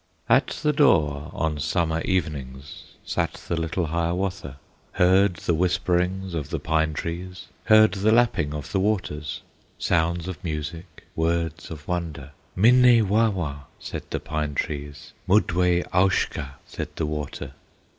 At the door on summer evenings Sat the little Hiawatha; Heard the whispering of the pine trees, Heard the lapping of the waters, Sounds of music, words of wonder; "Minne wawa!" said the Pine trees, "Mudway aushka!" said the water.